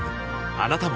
あなたも